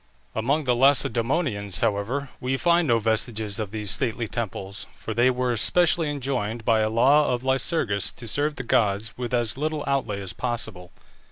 Among the Lacedæmonians, however, we find no vestiges of these stately temples, for they were specially enjoined by a law of Lycurgus to serve the gods with as little outlay as possible.